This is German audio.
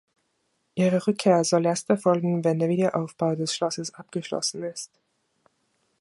Ihre Rückkehr soll erst erfolgen, wenn der Wiederaufbau des Schlosses abgeschlossen ist.